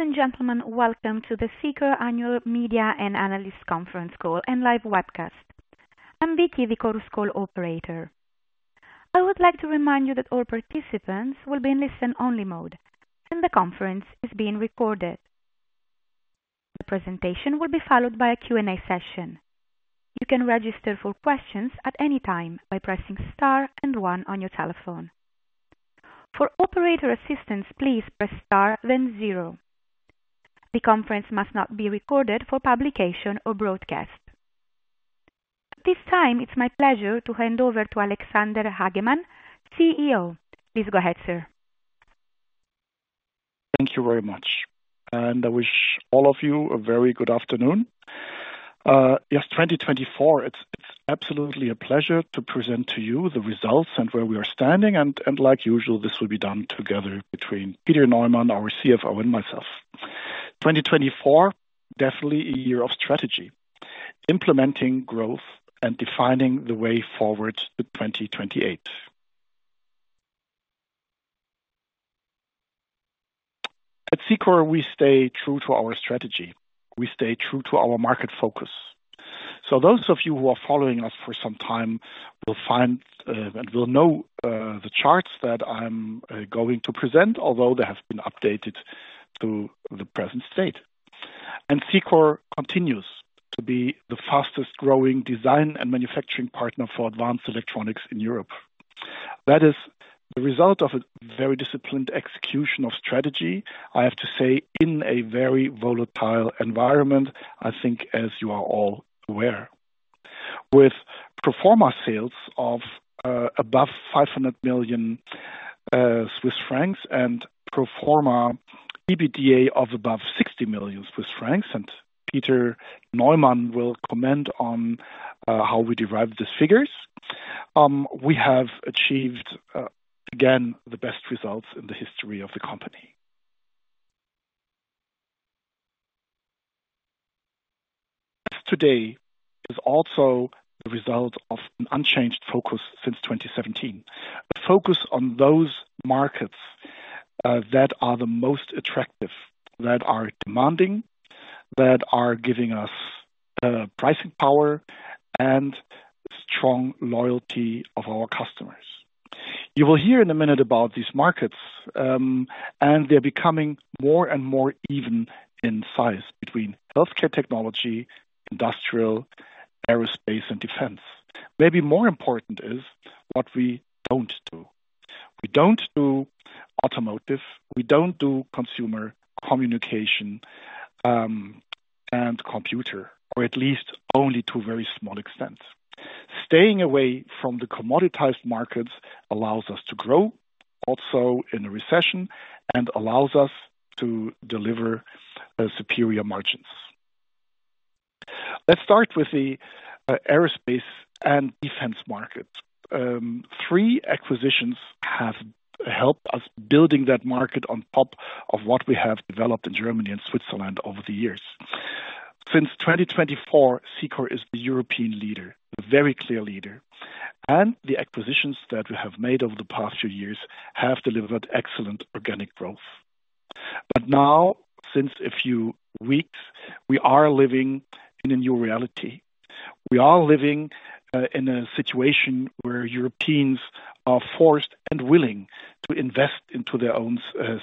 Ladies and gentlemen, welcome to the Cicor Annual Media and Analysts Conference Call and Live Webcast. I'm Vicky, the Chorus Call operator. I would like to remind you that all participants will be in listen-only mode, and the conference is being recorded. The presentation will be followed by a Q&A session. You can register for questions at any time by pressing star and one on your telephone. For operator assistance, please press star, then zero. The conference must not be recorded for publication or broadcast. At this time, it's my pleasure to hand over to Alexander Hagemann, CEO. Please go ahead, sir. Thank you very much, and I wish all of you a very good afternoon. Yes, 2024, it's absolutely a pleasure to present to you the results and where we are standing. Like usual, this will be done together between Peter Neumann, our CFO, and myself. 2024, definitely a year of strategy, implementing growth and defining the way forward to 2028. At Cicor, we stay true to our strategy. We stay true to our market focus. Those of you who are following us for some time will find and will know the charts that I'm going to present, although they have been updated to the present state. Cicor continues to be the fastest-growing design and manufacturing partner for advanced electronics in Europe. That is the result of a very disciplined execution of strategy, I have to say, in a very volatile environment, I think, as you are all aware. With proforma sales of above 500 million Swiss francs and proforma EBITDA of above 60 million Swiss francs, and Peter Neumann will comment on how we derived these figures, we have achieved, again, the best results in the history of the company. Today is also the result of an unchanged focus since 2017, a focus on those markets that are the most attractive, that are demanding, that are giving us pricing power and strong loyalty of our customers. You will hear in a minute about these markets, and they're becoming more and more even in size between healthcare technology, industrial, aerospace, and defense. Maybe more important is what we don't do. We don't do automotive. We don't do consumer communication and computer, or at least only to a very small extent. Staying away from the commoditized markets allows us to grow also in a recession and allows us to deliver superior margins. Let's start with the aerospace and defense markets. Three acquisitions have helped us build that market on top of what we have developed in Germany and Switzerland over the years. Since 2024, Cicor is the European leader, a very clear leader. The acquisitions that we have made over the past few years have delivered excellent organic growth. Now, since a few weeks, we are living in a new reality. We are living in a situation where Europeans are forced and willing to invest into their own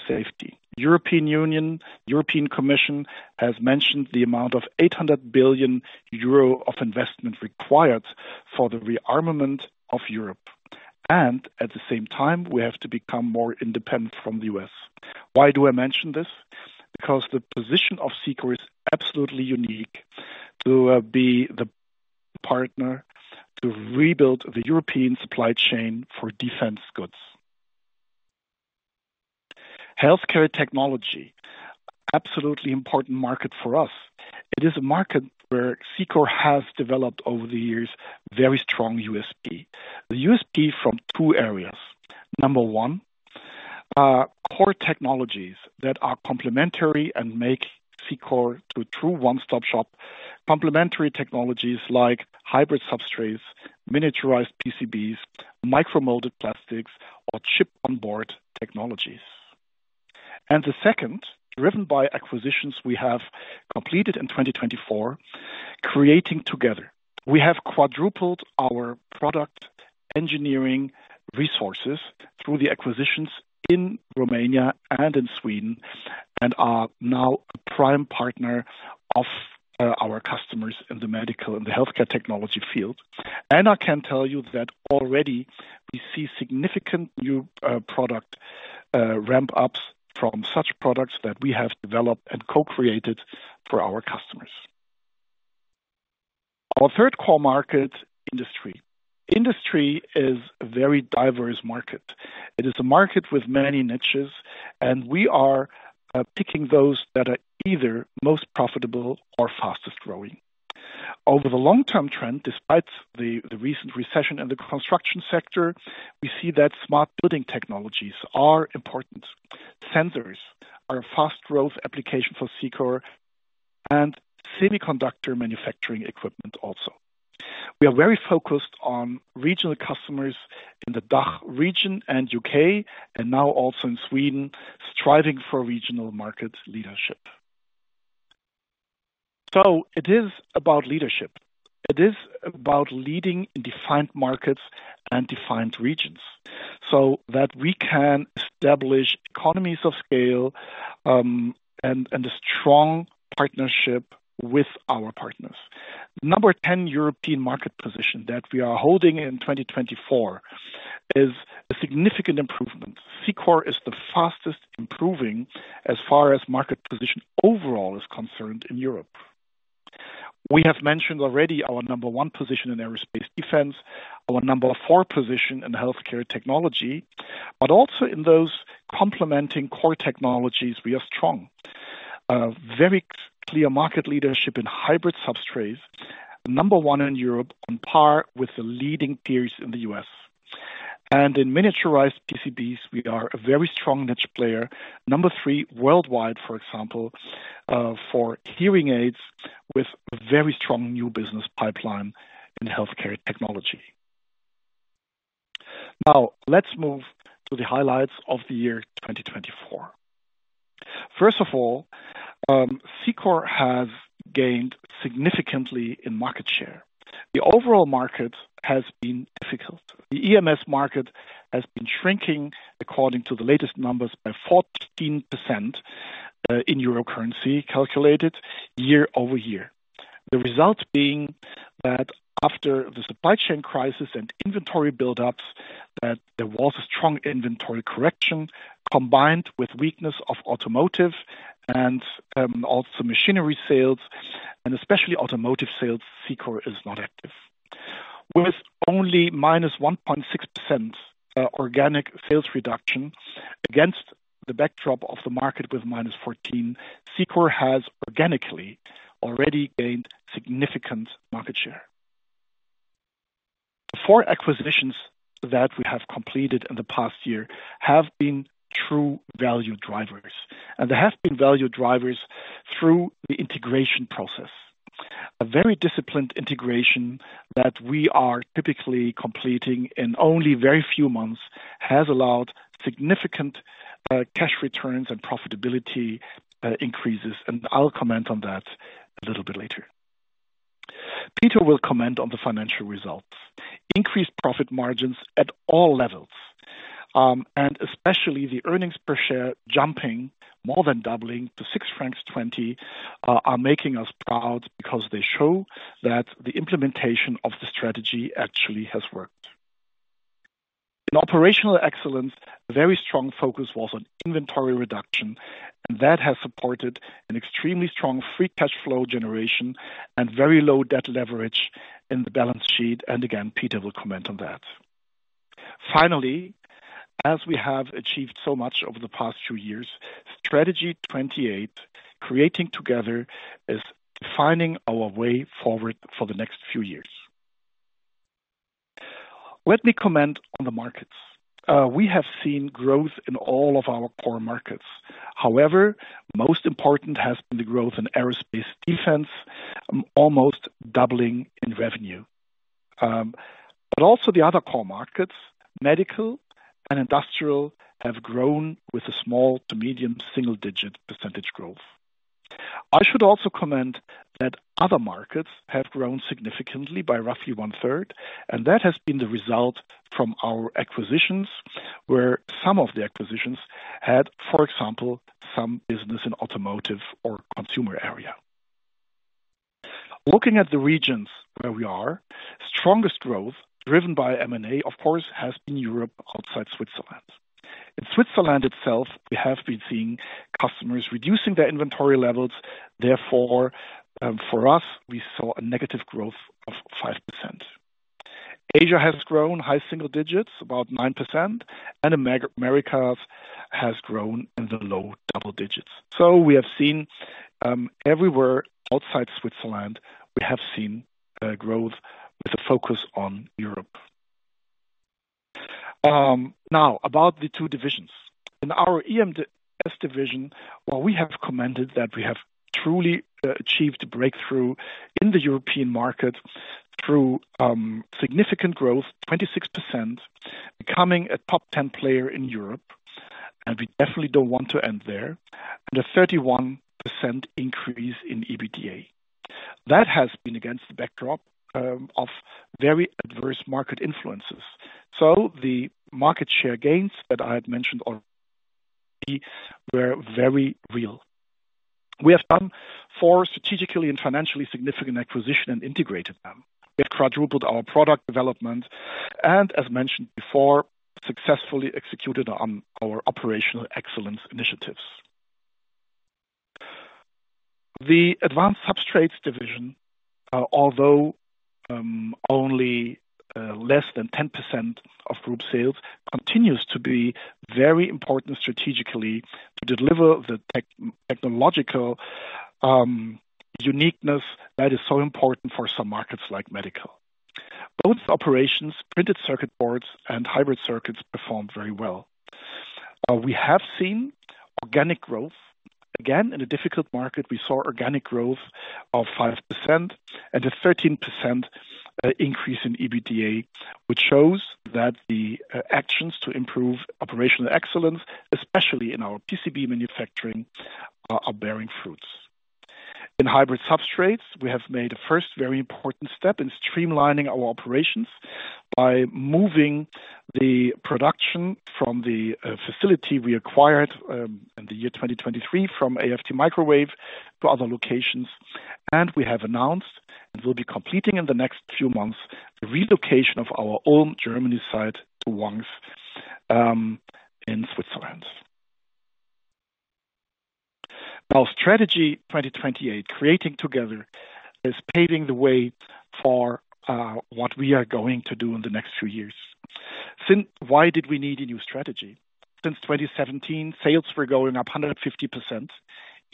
safety. The European Union, European Commission has mentioned the amount of 800 billion euro of investment required for the rearmament of Europe. At the same time, we have to become more independent from the U.S. Why do I mention this? Because the position of Cicor is absolutely unique to be the partner to rebuild the European supply chain for defense goods. Healthcare technology, absolutely important market for us. It is a market where Cicor has developed over the years very strong USP. The USP from two areas. Number one, core technologies that are complementary and make Cicor to a true one-stop shop, complementary technologies like hybrid substrates, miniaturized PCBs, micro-molded plastics, or chip-on-board technologies. The second, driven by acquisitions we have completed in 2024, creating together. We have quadrupled our product engineering resources through the acquisitions in Romania and in Sweden and are now a prime partner of our customers in the medical and the healthcare technology field. I can tell you that already we see significant new product ramp-ups from such products that we have developed and co-created for our customers. Our third core market, industry. Industry is a very diverse market. It is a market with many niches, and we are picking those that are either most profitable or fastest growing. Over the long-term trend, despite the recent recession in the construction sector, we see that smart building technologies are important. Sensors are a fast-growth application for Cicor and semiconductor manufacturing equipment also. We are very focused on regional customers in the DACH region and U.K., and now also in Sweden, striving for regional market leadership. It is about leadership. It is about leading in defined markets and defined regions so that we can establish economies of scale and a strong partnership with our partners. Number 10 European market position that we are holding in 2024 is a significant improvement. Cicor is the fastest improving as far as market position overall is concerned in Europe. We have mentioned already our number one position in aerospace defense, our number four position in healthcare technology, but also in those complementing core technologies, we are strong. Very clear market leadership in hybrid substrates, number one in Europe on par with the leading peers in the U.S. And in miniaturized PCBs, we are a very strong niche player. Number three worldwide, for example, for hearing aids with a very strong new business pipeline in healthcare technology. Now, let's move to the highlights of the year 2024. First of all, Cicor has gained significantly in market share. The overall market has been difficult. The EMS market has been shrinking, according to the latest numbers, by 14% in Euro currency calculated year-over-year. The result being that after the supply chain crisis and inventory build-ups, that there was a strong inventory correction combined with weakness of automotive and also machinery sales, and especially automotive sales, Cicor is not active. With only -1.6% organic sales reduction against the backdrop of the market with -14%, Cicor has organically already gained significant market share. The four acquisitions that we have completed in the past year have been true value drivers. There have been value drivers through the integration process. A very disciplined integration that we are typically completing in only very few months has allowed significant cash returns and profitability increases. I will comment on that a little bit later. Peter will comment on the financial results. Increased profit margins at all levels, and especially the earnings per share jumping, more than doubling to 6.20 francs, are making us proud because they show that the implementation of the strategy actually has worked. In operational excellence, a very strong focus was on inventory reduction, and that has supported an extremely strong free cash flow generation and very low debt leverage in the balance sheet. Peter will comment on that. Finally, as we have achieved so much over the past few years, strategy 2028, creating together, is defining our way forward for the next few years. Let me comment on the markets. We have seen growth in all of our core markets. However, most important has been the growth in aerospace defense, almost doubling in revenue. Also the other core markets, medical and industrial, have grown with a small to medium single-digit percentage growth. I should also comment that other markets have grown significantly by roughly one-third, and that has been the result from our acquisitions, where some of the acquisitions had, for example, some business in automotive or consumer area. Looking at the regions where we are, strongest growth driven by M&A, of course, has been Europe outside Switzerland. In Switzerland itself, we have been seeing customers reducing their inventory levels. Therefore, for us, we saw a negative growth of 5%. Asia has grown high single digits, about 9%, and America has grown in the low double-digits. We have seen everywhere outside Switzerland, we have seen growth with a focus on Europe. Now, about the two divisions. In our EMS division, we have commented that we have truly achieved a breakthrough in the European market through significant growth, 26%, becoming a top 10 player in Europe. We definitely do not want to end there, and a 31% increase in EBITDA. That has been against the backdrop of very adverse market influences. The market share gains that I had mentioned already were very real. We have done four strategically and financially significant acquisitions and integrated them. We have quadrupled our product development and, as mentioned before, successfully executed on our operational excellence initiatives. The Advanced Substrates division, although only less than 10% of group sales, continues to be very important strategically to deliver the technological uniqueness that is so important for some markets like medical. Both operations, printed circuit boards and hybrid circuits, performed very well. We have seen organic growth. Again, in a difficult market, we saw organic growth of 5% and a 13% increase in EBITDA, which shows that the actions to improve operational excellence, especially in our PCB manufacturing, are bearing fruits. In hybrid substrates, we have made a first very important step in streamlining our operations by moving the production from the facility we acquired in the year 2023 from AFT microwave to other locations. We have announced and will be completing in the next few months the relocation of our own Germany-side Wangs in Switzerland. Now, strategy 2028, creating together, is paving the way for what we are going to do in the next few years. Why did we need a new strategy? Since 2017, sales were going up 150%.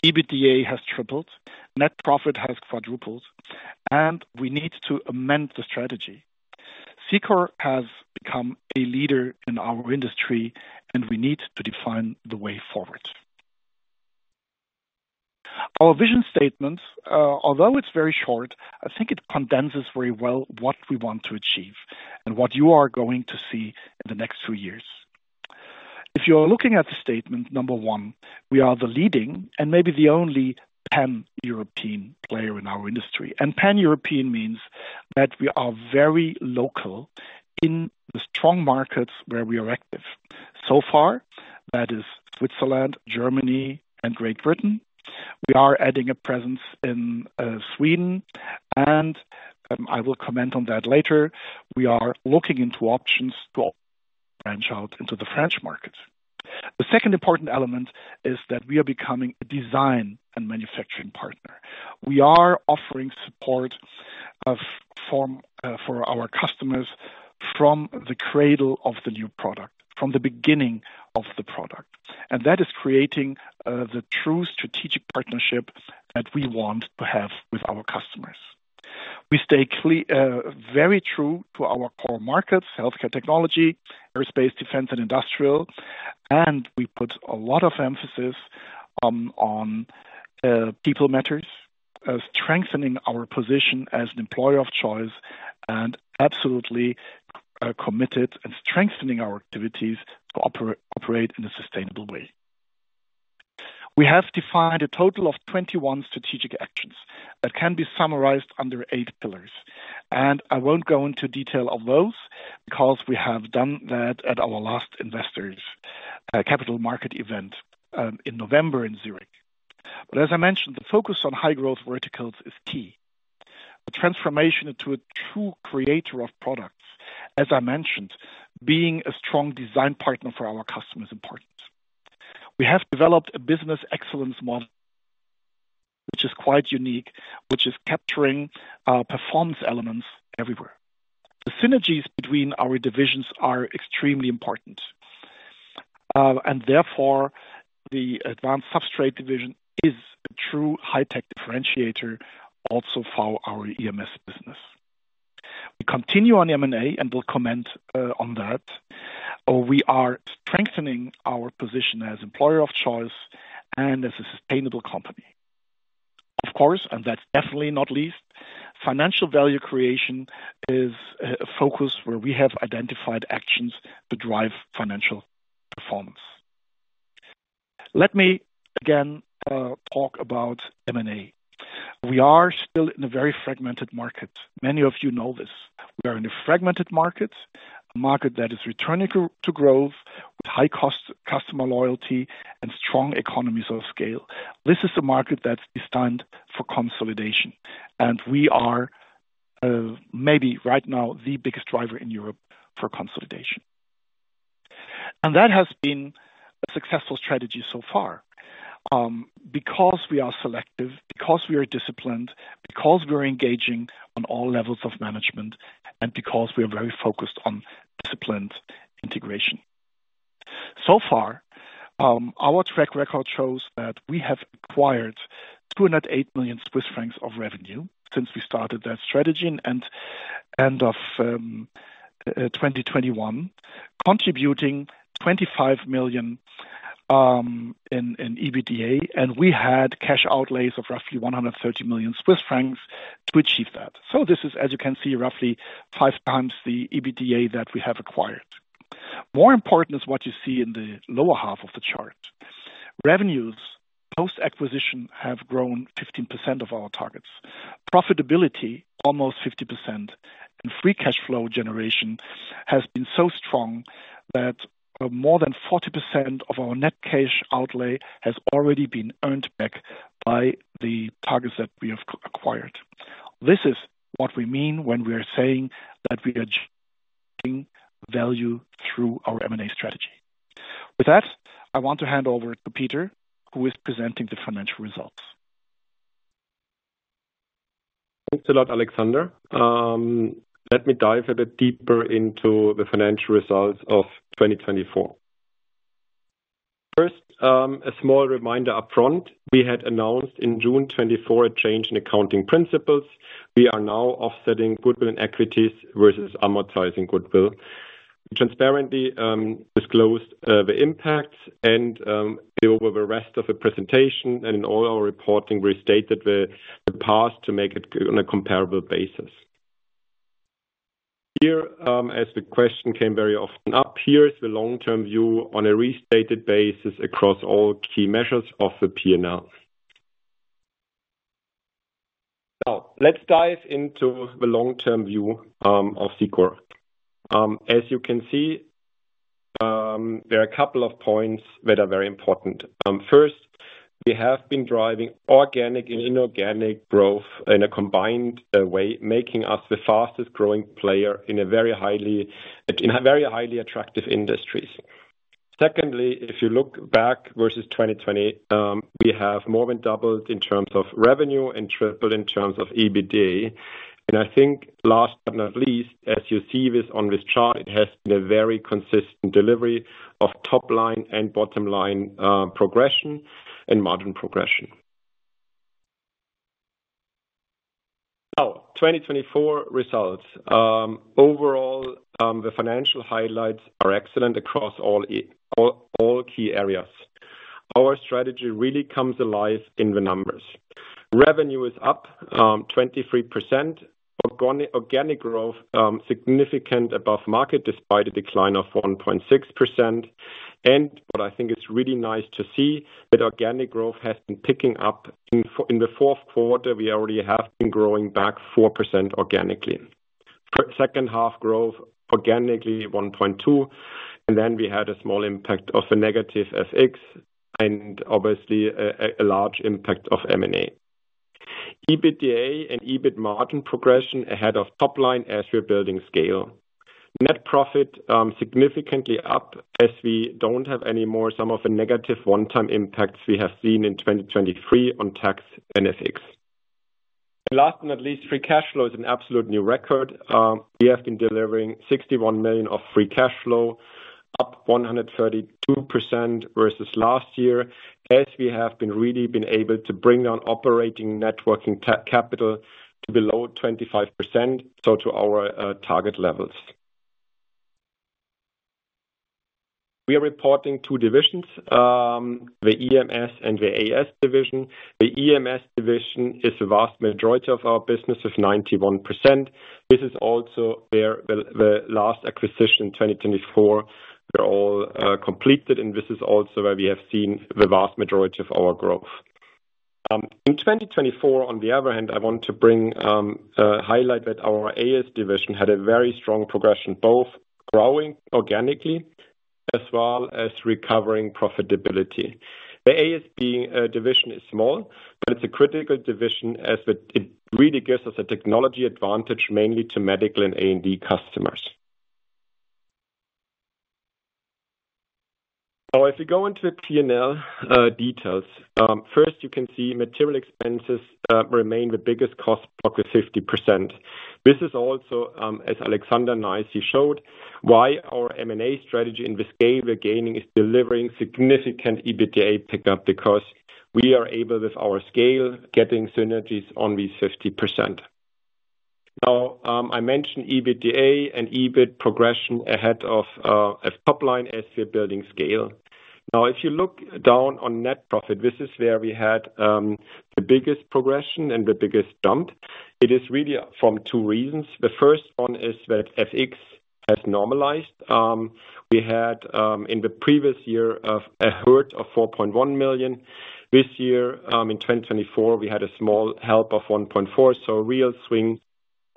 EBITDA has tripled. Net profit has quadrupled. We need to amend the strategy. Cicor has become a leader in our industry, and we need to define the way forward. Our vision statement, although it's very short, I think it condenses very well what we want to achieve and what you are going to see in the next few years. If you are looking at the statement, number one, we are the leading and maybe the only pan-European player in our industry. Pan-European means that we are very local in the strong markets where we are active. So far, that is Switzerland, Germany, and Great Britain. We are adding a presence in Sweden. I will comment on that later. We are looking into options to branch out into the French markets. The second important element is that we are becoming a design and manufacturing partner. We are offering support for our customers from the cradle of the new product, from the beginning of the product. That is creating the true strategic partnership that we want to have with our customers. We stay very true to our core markets, healthcare technology, aerospace defense, and industrial. We put a lot of emphasis on people matters, strengthening our position as an employer of choice, and absolutely committed and strengthening our activities to operate in a sustainable way. We have defined a total of 21 strategic actions that can be summarized under eight pillars. I will not go into detail of those because we have done that at our last investor capital market event in November in Zurich. As I mentioned, the focus on high-growth verticals is key. The transformation into a true creator of products, as I mentioned, being a strong design partner for our customers is important. We have developed a business excellence model, which is quite unique, which is capturing performance elements everywhere. The synergies between our divisions are extremely important. Therefore, the Advanced Substrates division is a true high-tech differentiator also for our EMS business. We continue on M&A and will comment on that. We are strengthening our position as an employer of choice and as a sustainable company. Of course, and that is definitely not least, financial value creation is a focus where we have identified actions to drive financial performance. Let me again talk about M&A. We are still in a very fragmented market. Many of you know this. We are in a fragmented market, a market that is returning to growth with high-cost customer loyalty and strong economies of scale. This is a market that is designed for consolidation. We are maybe right now the biggest driver in Europe for consolidation. That has been a successful strategy so far because we are selective, because we are disciplined, because we are engaging on all levels of management, and because we are very focused on disciplined integration. So far, our track record shows that we have acquired 208 million Swiss francs of revenue since we started that strategy in the end of 2021, contributing 25 million in EBITDA. We had cash outlays of roughly 130 million Swiss francs to achieve that. This is, as you can see, roughly five times the EBITDA that we have acquired. More important is what you see in the lower half of the chart. Revenues post-acquisition have grown 15% of our targets. Profitability, almost 50%, and free cash flow generation has been so strong that more than 40% of our net cash outlay has already been earned back by the targets that we have acquired. This is what we mean when we are saying that we are generating value through our M&A strategy. With that, I want to hand over to Peter, who is presenting the financial results. Thanks a lot, Alexander. Let me dive a bit deeper into the financial results of 2024. First, a small reminder upfront. We had announced in June 2024 a change in accounting principles. We are now offsetting goodwill and equities versus amortizing goodwill. We transparently disclosed the impacts, and over the rest of the presentation and in all our reporting, we stated the past to make it on a comparable basis. Here, as the question came very often up, here is the long-term view on a restated basis across all key measures of the P&L. Now, let's dive into the long-term view of Cicor. As you can see, there are a couple of points that are very important. First, we have been driving organic and inorganic growth in a combined way, making us the fastest-growing player in very highly attractive industries. Secondly, if you look back versus 2020, we have more than doubled in terms of revenue and tripled in terms of EBITDA. I think last but not least, as you see this on this chart, it has been a very consistent delivery of top-line and bottom-line progression and margin progression. Now, 2024 results. Overall, the financial highlights are excellent across all key areas. Our strategy really comes alive in the numbers. Revenue is up 23%. Organic growth is significant above market despite a decline of 1.6%. What I think is really nice to see is that organic growth has been picking up. In the fourth quarter, we already have been growing back 4% organically. Second half growth organically 1.2%. We had a small impact of a negative FX and obviously a large impact of M&A. EBITDA and EBIT margin progression ahead of top-line as we're building scale. Net profit is significantly up as we do not have any more some of the negative one-time impacts we have seen in 2023 on tax and FX. Last but not least, free cash flow is an absolute new record. We have been delivering 61 million of free cash flow, up 132% versus last year, as we have been really able to bring down operating net working capital to below 25%, so to our target levels. We are reporting two divisions, the EMS and the AS division. The EMS division is the vast majority of our business with 91%. This is also where the last acquisition in 2024 was all completed, and this is also where we have seen the vast majority of our growth. In 2024, on the other hand, I want to highlight that our AS division had a very strong progression, both growing organically as well as recovering profitability. The AS division is small, but it's a critical division as it really gives us a technology advantage mainly to medical and A&D customers. Now, if we go into the P&L details, first, you can see material expenses remain the biggest cost block with 50%. This is also, as Alexander nicely showed, why our M&A strategy in this scale we're gaining is delivering significant EBITDA pickup because we are able, with our scale, to get synergies on these 50%. Now, I mentioned EBITDA and EBIT progression ahead of top-line as we're building scale. Now, if you look down on net profit, this is where we had the biggest progression and the biggest jump. It is really from two reasons. The first one is that FX has normalized. We had, in the previous year, a hurt of 4.1 million. This year, in 2024, we had a small help of 1.4 million, so a real swing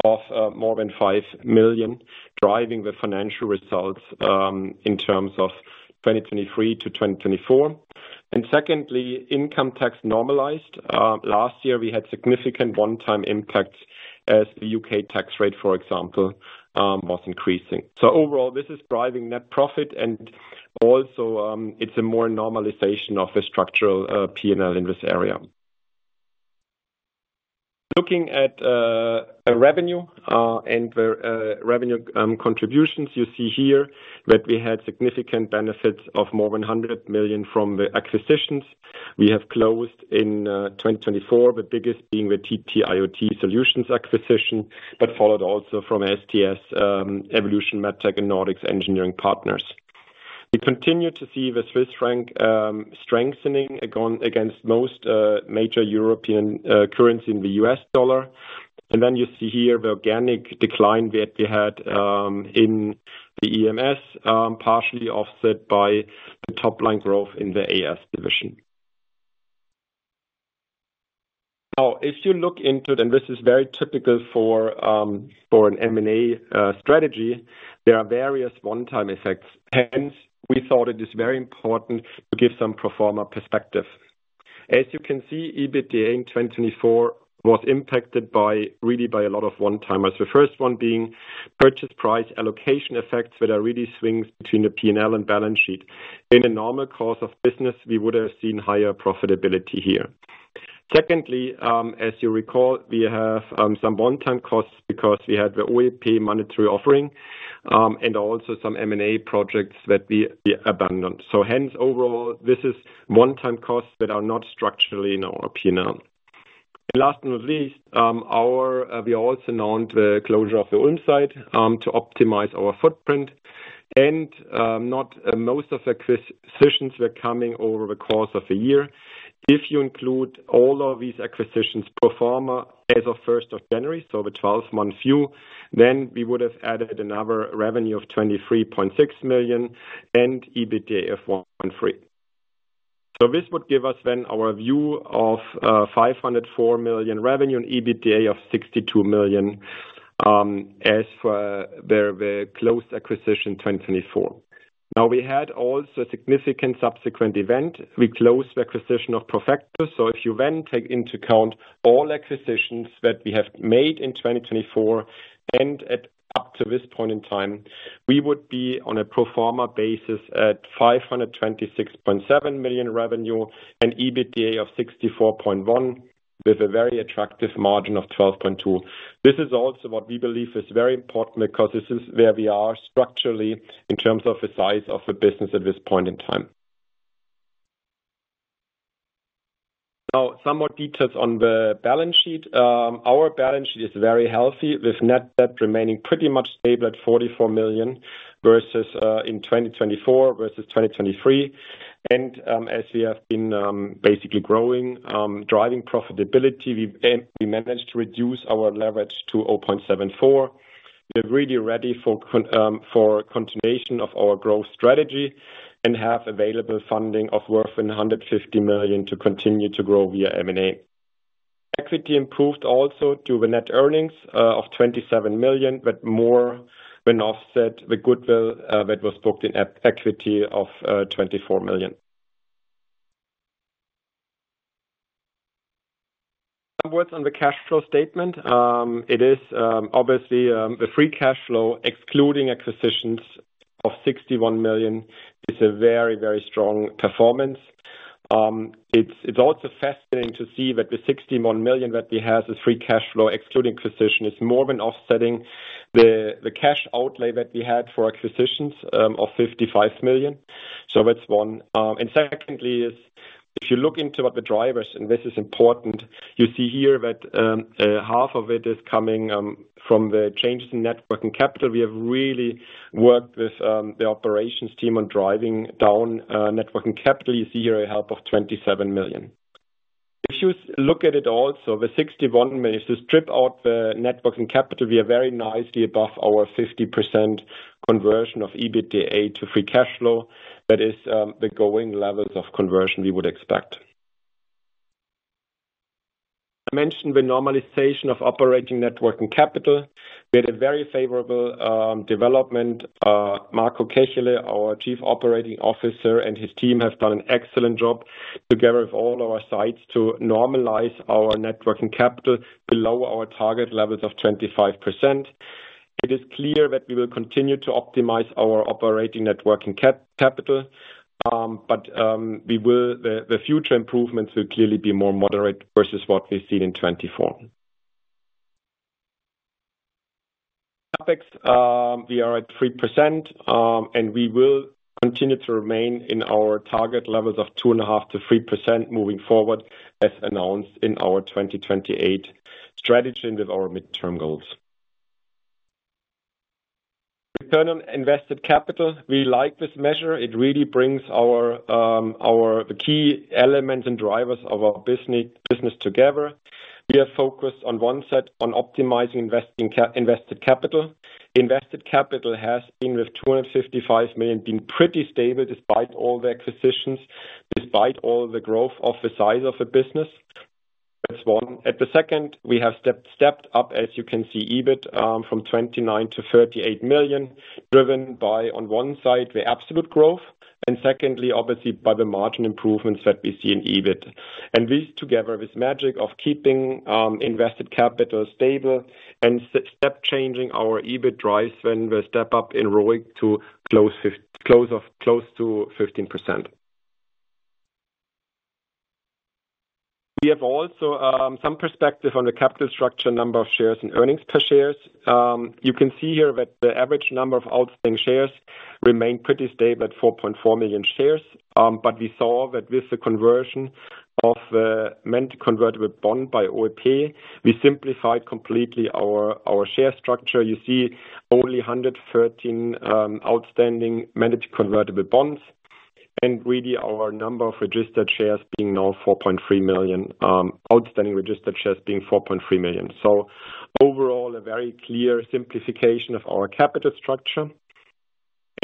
of more than 5 million driving the financial results in terms of 2023 to 2024. Secondly, income tax normalized. Last year, we had significant one-time impacts as the U.K. tax rate, for example, was increasing. Overall, this is driving net profit, and also it's a more normalization of the structural P&L in this area. Looking at revenue and revenue contributions, you see here that we had significant benefits of more than 100 million from the acquisitions. We have closed in 2024, the biggest being the TT IoT Solutions acquisition, but followed also from STS Evolution, MedTech, and Nordics engineering partners. We continue to see the Swiss franc strengthening against most major European currencies and the US dollar. You see here the organic decline that we had in the EMS, partially offset by the top-line growth in the AS division. Now, if you look into it, and this is very typical for an M&A strategy, there are various one-time effects. Hence, we thought it is very important to give some proforma perspective. As you can see, EBITDA in 2024 was impacted really by a lot of one-timers, the first one being purchase price allocation effects that are really swings between the P&L and balance sheet. In a normal course of business, we would have seen higher profitability here. Secondly, as you recall, we have some one-time costs because we had the OEP monetary offering and also some M&A projects that we abandoned. Hence, overall, this is one-time costs that are not structurally in our P&L. Last but not least, we also announced the closure of the Ulm site to optimize our footprint. Most of the acquisitions were coming over the course of a year. If you include all of these acquisitions' proforma as of 1 January, so the 12-month view, then we would have added another revenue of 23.6 million and EBITDA of 1.3 million. This would give us then our view of 504 million revenue and EBITDA of 62 million as for the closed acquisition 2024. We had also a significant subsequent event. We closed the acquisition of Profectus. If you then take into account all acquisitions that we have made in 2024 and up to this point in time, we would be on a proforma basis at 526.7 million revenue and EBITDA of 64.1 million with a very attractive margin of 12.2%. This is also what we believe is very important because this is where we are structurally in terms of the size of the business at this point in time. Now, some more details on the balance sheet. Our balance sheet is very healthy with net debt remaining pretty much stable at 44 million in 2024 versus 2023. As we have been basically growing, driving profitability, we managed to reduce our leverage to 0.74. We are really ready for continuation of our growth strategy and have available funding worth 150 million to continue to grow via M&A. Equity improved also due to the net earnings of 27 million, but more when offset with goodwill that was booked in equity of 24 million. Some words on the cash flow statement. It is obviously the free cash flow excluding acquisitions of 61 million is a very, very strong performance. It's also fascinating to see that the 61 million that we have as free cash flow excluding acquisitions is more than offsetting the cash outlay that we had for acquisitions of 55 million. That's one. If you look into what the drivers, and this is important, you see here that half of it is coming from the changes in net working capital. We have really worked with the operations team on driving down net working capital. You see here a help of 27 million. If you look at it also, the 61 million, if you strip out the net working capital, we are very nicely above our 50% conversion of EBITDA to free cash flow. That is the going levels of conversion we would expect. I mentioned the normalization of operating net working capital. We had a very favorable development. Marco Kechele, our Chief Operating Officer and his team have done an excellent job together with all our sites to normalize our net working capital below our target levels of 25%. It is clear that we will continue to optimize our operating net working capital, but the future improvements will clearly be more moderate versus what we've seen in 2024. CapEx, we are at 3%, and we will continue to remain in our target levels of 2.5%-3% moving forward as announced in our 2028 strategy and with our midterm goals. Return on invested capital. We like this measure. It really brings our key elements and drivers of our business together. We are focused on one set on optimizing invested capital. Invested capital has been with 255 million being pretty stable despite all the acquisitions, despite all the growth of the size of the business. That's one. At the second, we have stepped up, as you can see, EBIT from 29 million to 38 million, driven by, on one side, the absolute growth, and secondly, obviously, by the margin improvements that we see in EBIT. These together with magic of keeping invested capital stable and step-changing our EBIT drives when we step up in ROIC to close to 15%. We have also some perspective on the capital structure, number of shares and earnings per shares. You can see here that the average number of outstanding shares remained pretty stable at 4.4 million shares, but we saw that with the conversion of the managed convertible bond by OEP, we simplified completely our share structure. You see only 113 outstanding managed convertible bonds and really our number of registered shares being now 4.3 million, outstanding registered shares being 4.3 million. Overall, a very clear simplification of our capital structure.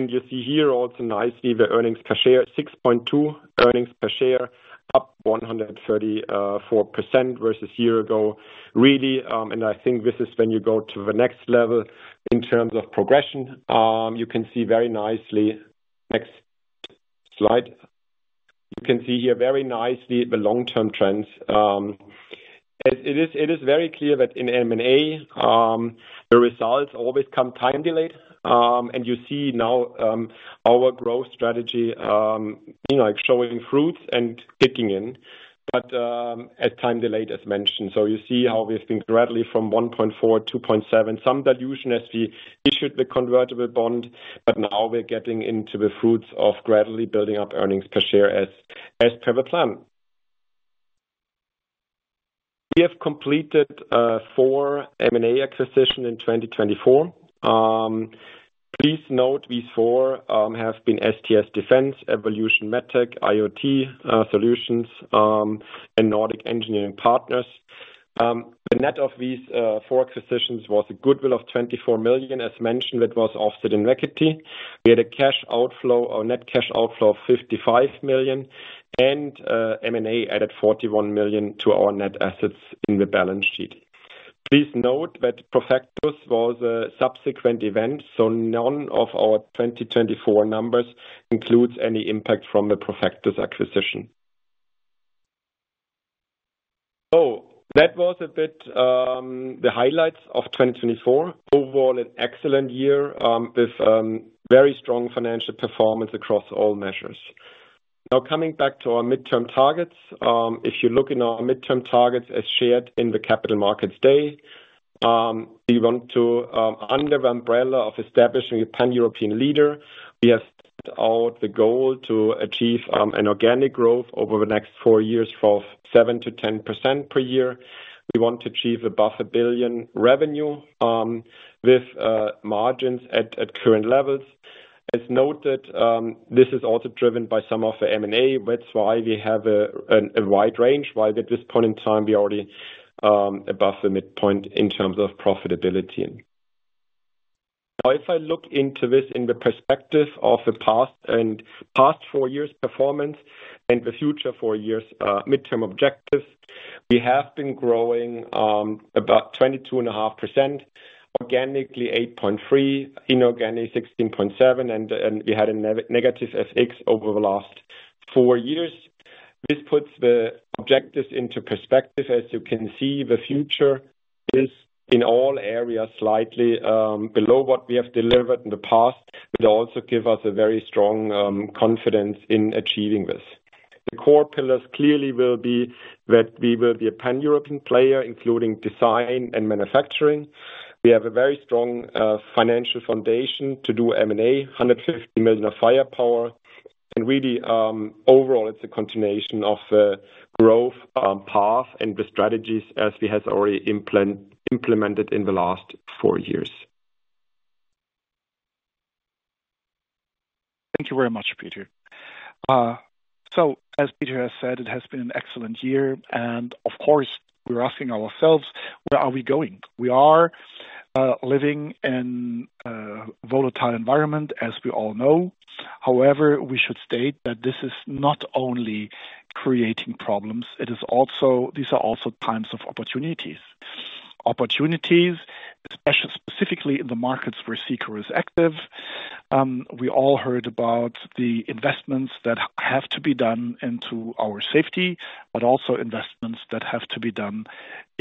You see here also nicely the earnings per share, 6.2 earnings per share, up 134% versus a year ago. Really, and I think this is when you go to the next level in terms of progression, you can see very nicely, next slide, you can see here very nicely the long-term trends. It is very clear that in M&A, the results always come time delayed. You see now our growth strategy showing fruits and kicking in, but at time delayed, as mentioned. You see how we've been gradually from 1.4, 2.7, some dilution as we issued the convertible bond, but now we're getting into the fruits of gradually building up earnings per share as per the plan. We have completed four M&A acquisitions in 2024. Please note these four have been STS Defence, Evolution Medtec, IoT Solutions, and Nordic Engineering Partners. The net of these four acquisitions was a goodwill of 24 million, as mentioned, that was offset in equity. We had a net cash outflow of 55 million, and M&A added 41 million to our net assets in the balance sheet. Please note that Profectus was a subsequent event, so none of our 2024 numbers includes any impact from the Profectus acquisition. That was a bit the highlights of 2024. Overall, an excellent year with very strong financial performance across all measures. Now, coming back to our midterm targets, if you look in our midterm targets as shared in the Capital Markets Day, we want to, under the umbrella of establishing a pan-European leader, we have set out the goal to achieve an organic growth over the next four years for 7%-10% per year. We want to achieve above 1 billion revenue with margins at current levels. As noted, this is also driven by some of the M&A, that's why we have a wide range, while at this point in time, we are already above the midpoint in terms of profitability. Now, if I look into this in the perspective of the past four years' performance and the future four years' midterm objectives, we have been growing about 22.5%, organically 8.3, inorganic 16.7, and we had a negative FX over the last four years. This puts the objectives into perspective. As you can see, the future is in all areas slightly below what we have delivered in the past, but also gives us a very strong confidence in achieving this. The core pillars clearly will be that we will be a pan-European player, including design and manufacturing. We have a very strong financial foundation to do M&A, 150 million of firepower. Really, overall, it's a continuation of the growth path and the strategies as we have already implemented in the last four years. Thank you very much, Peter. As Peter has said, it has been an excellent year. Of course, we're asking ourselves, where are we going? We are living in a volatile environment, as we all know. However, we should state that this is not only creating problems. These are also times of opportunities. Opportunities, specifically in the markets where Cicor is active. We all heard about the investments that have to be done into our safety, but also investments that have to be done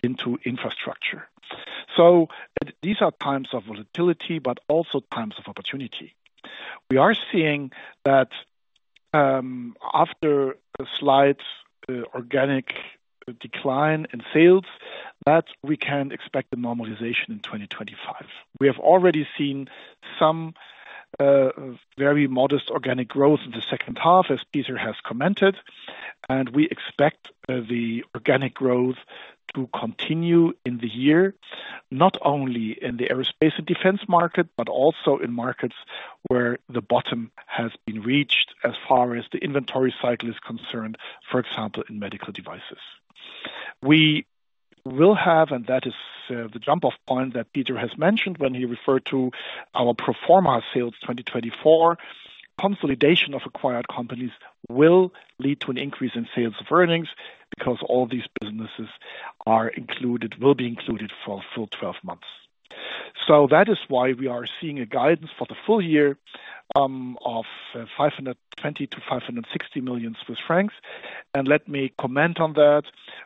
into infrastructure. These are times of volatility, but also times of opportunity. We are seeing that after the slight organic decline in sales, we can expect a normalization in 2025. We have already seen some very modest organic growth in the second half, as Peter has commented, and we expect the organic growth to continue in the year, not only in the aerospace and defense market, but also in markets where the bottom has been reached as far as the inventory cycle is concerned, for example, in medical devices. We will have, and that is the jump-off point that Peter has mentioned when he referred to our proforma sales 2024, consolidation of acquired companies will lead to an increase in sales of earnings because all these businesses will be included for a full 12 months. That is why we are seeing a guidance for the full year of 520 million-560 million Swiss francs. Let me comment on that.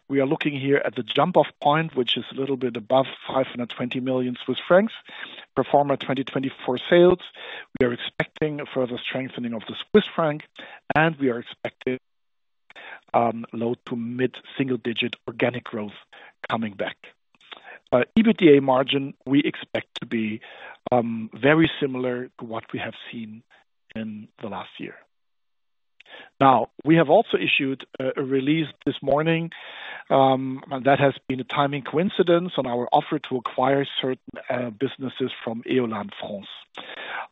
We are looking here at the jump-off point, which is a little bit above 520 million Swiss francs, proforma 2024 sales. We are expecting further strengthening of the Swiss franc, and we are expecting low to mid-single-digit organic growth coming back. EBITDA margin, we expect to be very similar to what we have seen in the last year. Now, we have also issued a release this morning. That has been a timing coincidence on our offer to acquire certain businesses from Éolane France.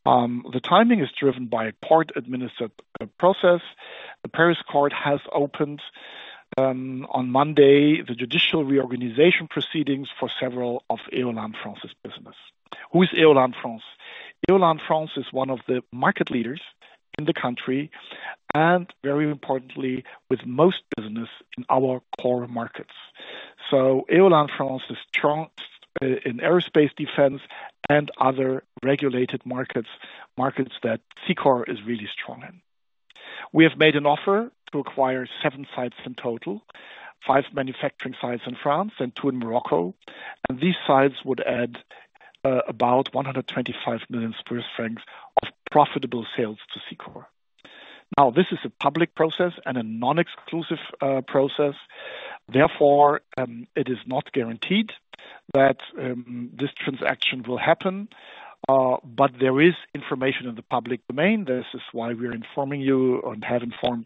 The timing is driven by a court-administered process. The Paris court has opened on Monday the judicial reorganization proceedings for several of Éolane France's businesses. Who is Éolane France? Éolane France is one of the market leaders in the country and, very importantly, with most businesses in our core markets. Éolan France is strong in aerospace, defense, and other regulated markets, markets that Cicor is really strong in. We have made an offer to acquire seven sites in total, five manufacturing sites in France and two in Morocco. These sites would add about 125 million francs of profitable sales to Cicor. This is a public process and a non-exclusive process. Therefore, it is not guaranteed that this transaction will happen, but there is information in the public domain. This is why we're informing you and have informed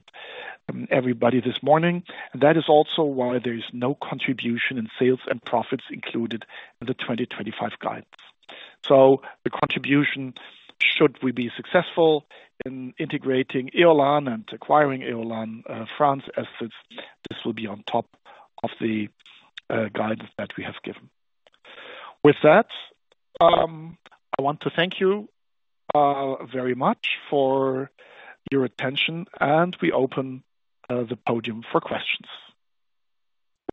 everybody this morning. That is also why there is no contribution in sales and profits included in the 2025 guidance. The contribution, should we be successful in integrating Éolan and acquiring Éolan France assets, will be on top of the guidance that we have given. With that, I want to thank you very much for your attention, and we open the podium for questions.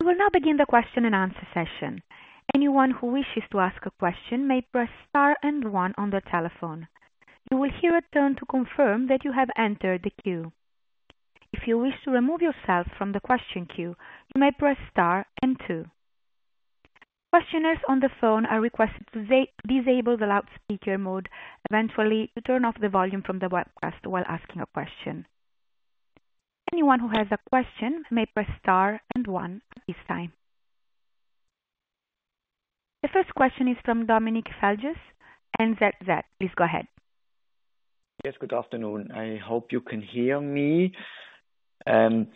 We will now begin the question-and-answer session. Anyone who wishes to ask a question may press star and one on the telephone. You will hear a tone to confirm that you have entered the queue. If you wish to remove yourself from the question queue, you may press star and two. Questioners on the phone are requested to disable the loudspeaker mode, eventually to turn off the volume from the webcast while asking a question. Anyone who has a question may press star and one at this time. The first question is from Dominik Feldges, NZZ. Please go ahead. Yes, good afternoon. I hope you can hear me.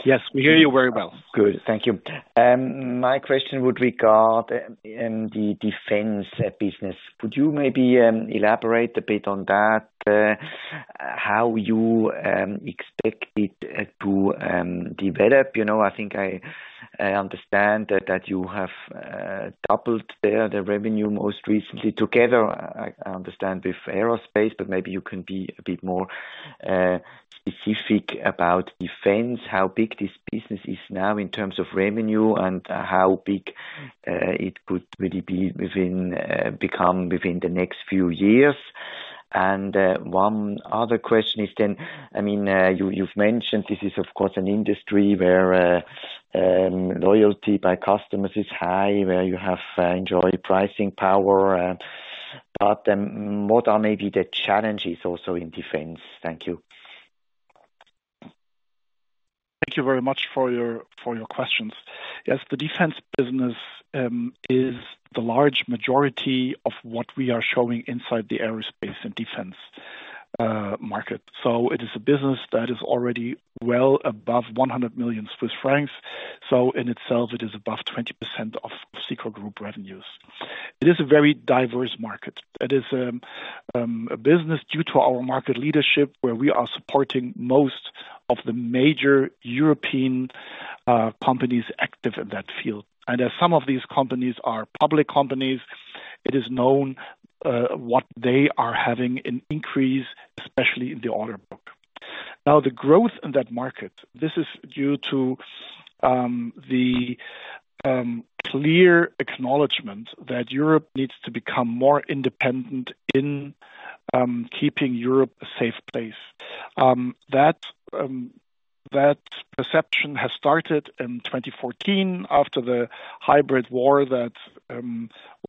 Yes, we hear you very well. Good, thank you. My question would regard the defense business. Could you maybe elaborate a bit on that, how you expected to develop? I think I understand that you have doubled the revenue most recently together, I understand, with aerospace, but maybe you can be a bit more specific about defense, how big this business is now in terms of revenue and how big it could really become within the next few years. One other question is then, I mean, you've mentioned this is, of course, an industry where loyalty by customers is high, where you have enjoyed pricing power. What are maybe the challenges also in defense? Thank you. Thank you very much for your questions. Yes, the defense business is the large majority of what we are showing inside the aerospace and defense market. It is a business that is already well above 100 million Swiss francs. It is above 20% of Cicor Group revenues. It is a very diverse market. It is a business due to our market leadership where we are supporting most of the major European companies active in that field. As some of these companies are public companies, it is known what they are having in increase, especially in the order book. The growth in that market is due to the clear acknowledgment that Europe needs to become more independent in keeping Europe a safe place. That perception started in 2014 after the hybrid war that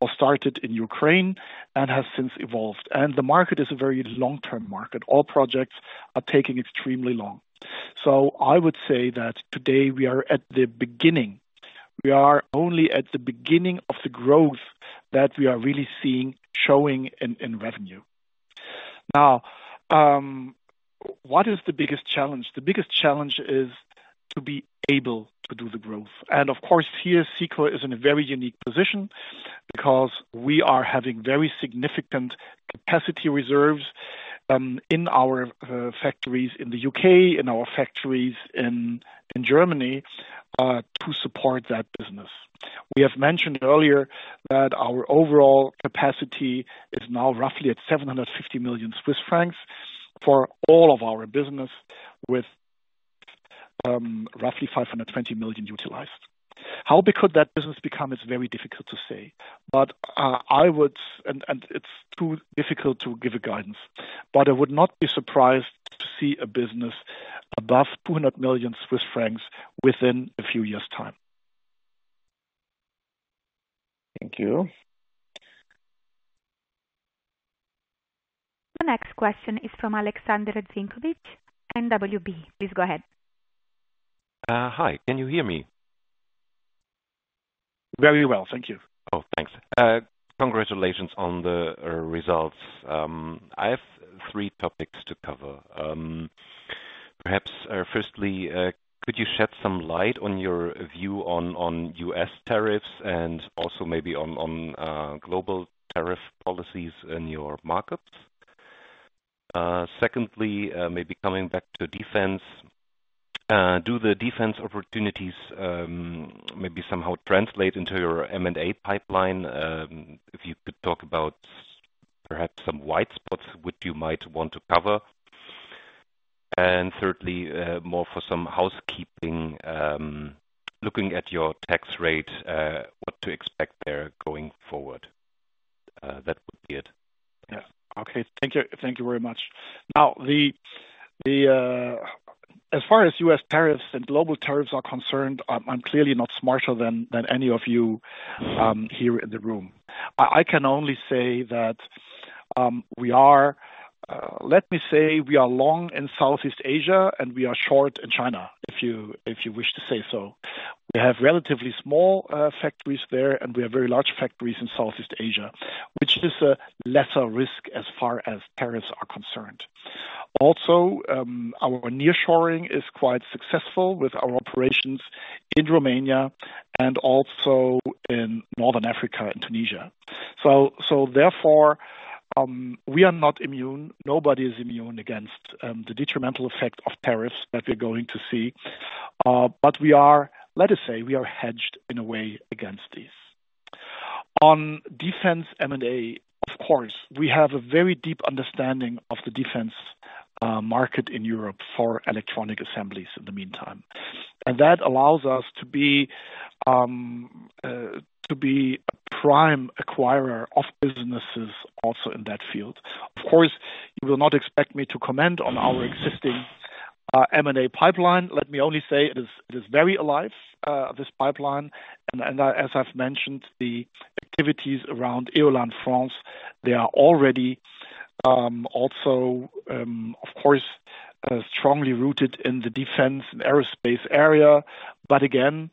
was started in Ukraine and has since evolved. The market is a very long-term market. All projects are taking extremely long. I would say that today we are at the beginning. We are only at the beginning of the growth that we are really seeing showing in revenue. Now, what is the biggest challenge? The biggest challenge is to be able to do the growth. Of course, here Cicor is in a very unique position because we are having very significant capacity reserves in our factories in the U.K., in our factories in Germany to support that business. We have mentioned earlier that our overall capacity is now roughly at 750 million Swiss francs for all of our business with roughly 520 million utilized. How big could that business become is very difficult to say. I would, and it's too difficult to give a guidance, but I would not be surprised to see a business above 200 million Swiss francs within a few years' time. Thank you. The next question is from Alexander Zienkowicz, mwb. Please go ahead. Hi, can you hear me? Very well, thank you. Oh, thanks. Congratulations on the results. I have three topics to cover. Perhaps firstly, could you shed some light on your view on U.S. tariffs and also maybe on global tariff policies in your markets? Secondly, maybe coming back to defense, do the defense opportunities maybe somehow translate into your M&A pipeline? If you could talk about perhaps some white spots, what you might want to cover? Thirdly, more for some housekeeping, looking at your tax rate, what to expect there going forward? That would be it. Yes. Okay, thank you very much. Now, as far as U.S. tariffs and global tariffs are concerned, I'm clearly not smarter than any of you here in the room. I can only say that we are, let me say, we are long in Southeast Asia and we are short in China, if you wish to say so. We have relatively small factories there and we have very large factories in Southeast Asia, which is a lesser risk as far as tariffs are concerned. Also, our nearshoring is quite successful with our operations in Romania and also in Northern Africa, Indonesia. Therefore, we are not immune. Nobody is immune against the detrimental effect of tariffs that we are going to see. We are, let us say, we are hedged in a way against these. On defense M&A, of course, we have a very deep understanding of the defense market in Europe for electronic assemblies in the meantime. That allows us to be a prime acquirer of businesses also in that field. Of course, you will not expect me to comment on our existing M&A pipeline. Let me only say it is very alive, this pipeline. As I have mentioned, the activities around Éolane France, they are already also, of course, strongly rooted in the defense and aerospace area. Again,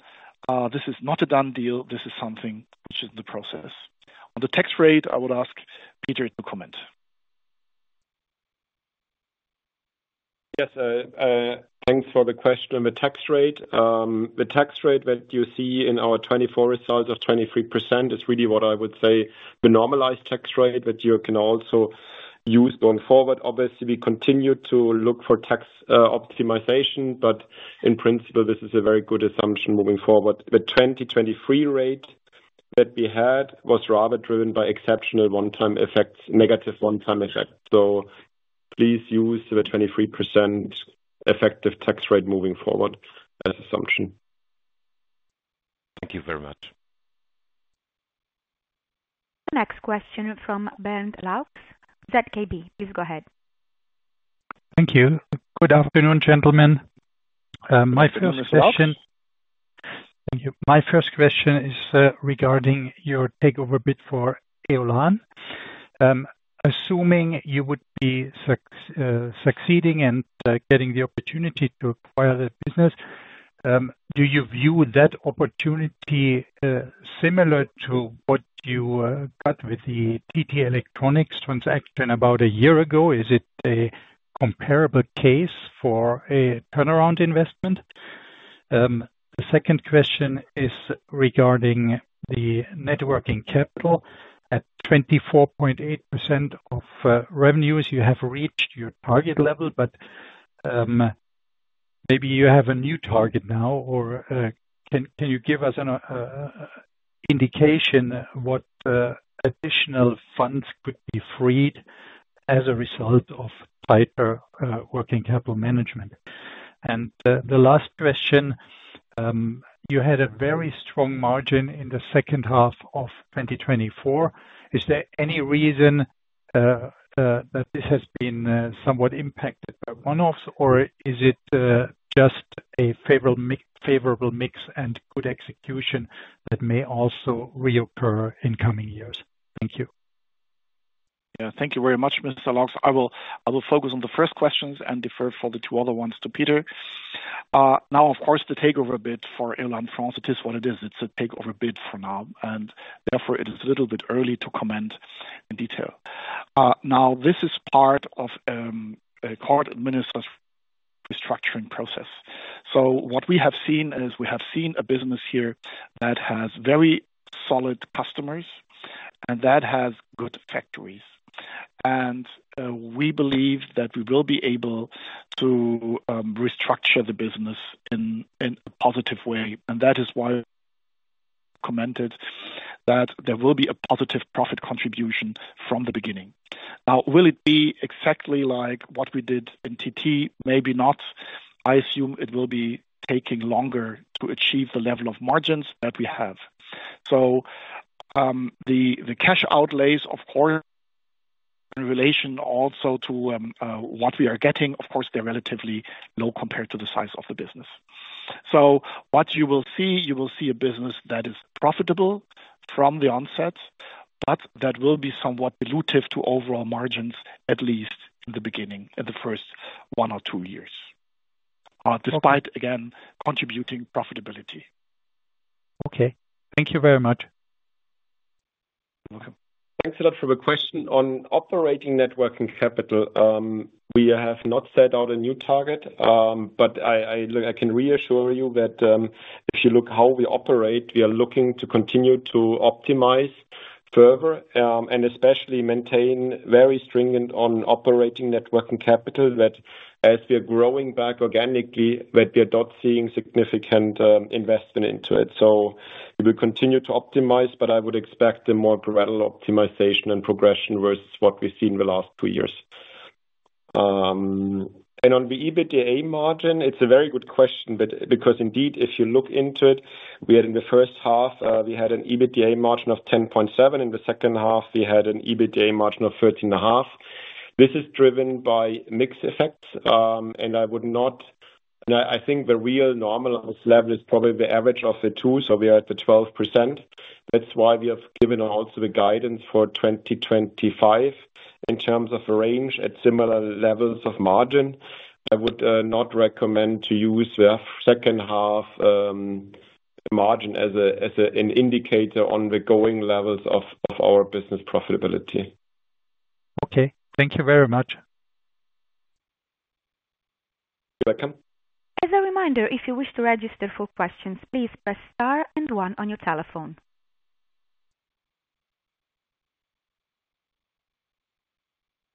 this is not a done deal. This is something which is in the process. On the tax rate, I would ask Peter to comment. Yes, thanks for the question on the tax rate. The tax rate that you see in our 2024 results of 23% is really what I would say the normalized tax rate that you can also use going forward. Obviously, we continue to look for tax optimization, but in principle, this is a very good assumption moving forward. The 2023 rate that we had was rather driven by exceptional one-time effects, negative one-time effects. Please use the 23% effective tax rate moving forward as assumption. Thank you very much. The next question from Bernd Laux, ZKB. Please go ahead. Thank you. Good afternoon, gentlemen. My first question. Thank you. My first question is regarding your takeover bid for Éolane. Assuming you would be succeeding and getting the opportunity to acquire the business, do you view that opportunity similar to what you got with the TT Electronics transaction about a year ago? Is it a comparable case for a turnaround investment? The second question is regarding the net working capital. At 24.8% of revenues, you have reached your target level, but maybe you have a new target now, or can you give us an indication of what additional funds could be freed as a result of tighter working capital management? The last question, you had a very strong margin in the second half of 2024. Is there any reason that this has been somewhat impacted by one-offs, or is it just a favorable mix and good execution that may also reoccur in coming years? Thank you. Yeah, thank you very much, Mr. Laux. I will focus on the first questions and defer for the two other ones to Peter. Now, of course, the takeover bid for Éolan France, it is what it is. It is a takeover bid for now, and therefore it is a little bit early to comment in detail. This is part of a court-administered restructuring process. What we have seen is we have seen a business here that has very solid customers and that has good factories. We believe that we will be able to restructure the business in a positive way. That is why we commented that there will be a positive profit contribution from the beginning. Now, will it be exactly like what we did in TT? Maybe not. I assume it will be taking longer to achieve the level of margins that we have. The cash outlays, of course, in relation also to what we are getting, of course, they're relatively low compared to the size of the business. What you will see, you will see a business that is profitable from the onset, but that will be somewhat elutive to overall margins, at least in the beginning, in the first one or two years, despite, again, contributing profitability. Okay. Thank you very much. You're welcome. Thanks a lot for the question on operating networking capital. We have not set out a new target, but I can reassure you that if you look how we operate, we are looking to continue to optimize further and especially maintain very stringent on operating networking capital that as we are growing back organically, that we are not seeing significant investment into it. We will continue to optimize, but I would expect a more gradual optimization and progression versus what we've seen in the last two years. On the EBITDA margin, it's a very good question because indeed, if you look into it, we had in the first half, we had an EBITDA margin of 10.7%. In the second half, we had an EBITDA margin of 13.5%. This is driven by mixed effects. I would not, I think the real normalized level is probably the average of the two. We are at the 12%. That's why we have given also the guidance for 2025 in terms of a range at similar levels of margin. I would not recommend to use the second half margin as an indicator on the going levels of our business profitability. Okay. Thank you very much. You're welcome. As a reminder, if you wish to register for questions, please press star and one on your telephone.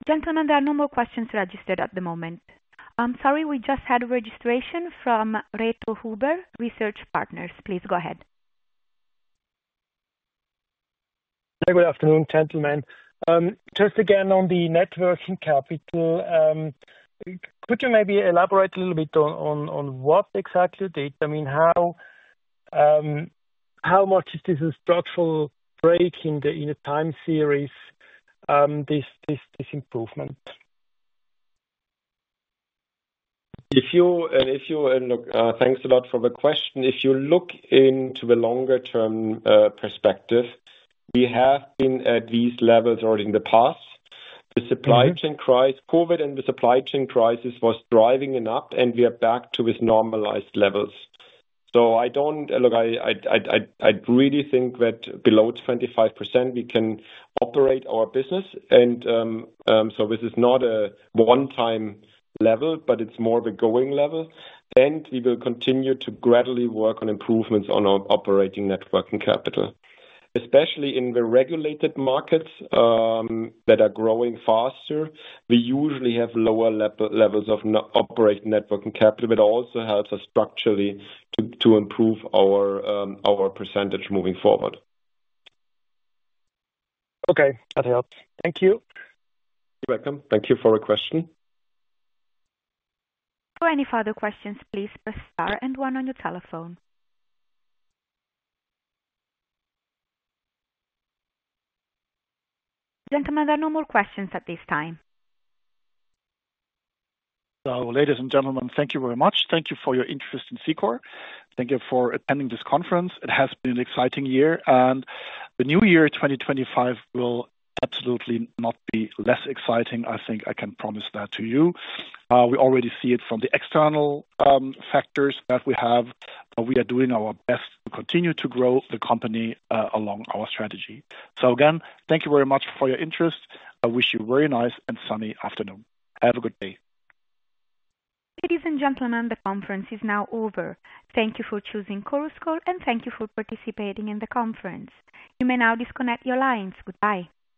Gentlemen, there are no more questions registered at the moment. I'm sorry, we just had a registration from Reto Huber Research Partners. Please go ahead. Good afternoon, gentlemen. Just again on the net working capital, could you maybe elaborate a little bit on what exactly the data, I mean, how much is this a structural break in the time series disimprovement? If you look, thanks a lot for the question. If you look into the longer-term perspective, we have been at these levels already in the past. The supply chain crisis, COVID and the supply chain crisis was driving enough, and we are back to these normalized levels. I really think that below 25%, we can operate our business. This is not a one-time level, but it's more of a going level. We will continue to gradually work on improvements on our operating networking capital, especially in the regulated markets that are growing faster. We usually have lower levels of operating networking capital, which also helps us structurally to improve our percentage moving forward. Okay. That helps. Thank you. You're welcome. Thank you for the question. For any further questions, please press star and one on your telephone. Gentlemen, there are no more questions at this time. Ladies and gentlemen, thank you very much. Thank you for your interest in Cicor. Thank you for attending this conference. It has been an exciting year. The new year 2025 will absolutely not be less exciting, I think I can promise that to you. We already see it from the external factors that we have. We are doing our best to continue to grow the company along our strategy. Again, thank you very much for your interest. I wish you a very nice and sunny afternoon. Have a good day. Ladies and gentlemen, the conference is now over. Thank you for choosing Chorus Call, and thank you for participating in the conference. You may now disconnect your lines. Goodbye.